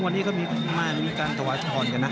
วันนี้ก็มีการทวายช่องพ่อนกันนะ